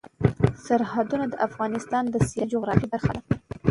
سرحدونه د افغانستان د سیاسي جغرافیه برخه ده.